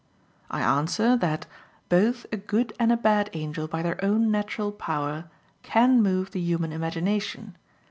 I answer that, Both a good and a bad angel by their own natural power can move the human imagination.